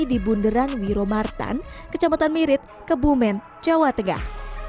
di bunderan wiromartan kecamatan mirit kebumen jawa tengah